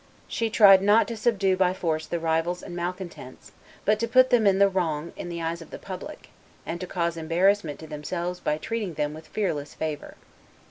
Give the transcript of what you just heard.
She tried, not to subdue by force the rivals and malcontents, but to put them in the wrong in the eyes of the public, and to cause embarrassment to themselves by treating them with fearless favor.